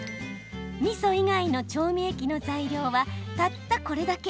みそ以外の調味液の材料はたったこれだけ。